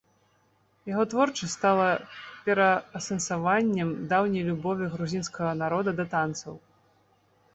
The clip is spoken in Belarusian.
Яго творчасць стала пераасэнсаваннем даўняй любові грузінскага народа да танцаў.